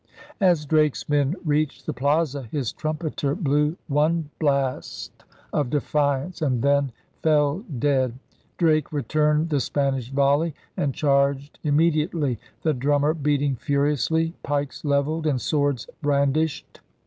As Drake's men reached the Plaza, his trumpeter blew one blast of defiance and then fell dead. Drake returned the Spanish volley and charged immediately, the drummer beating furiously, pikes levelled, and swords brandished.